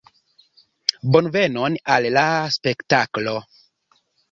Bonvenon al la spektaklo!